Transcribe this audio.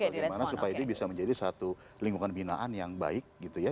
bagaimana supaya ini bisa menjadi satu lingkungan binaan yang baik gitu ya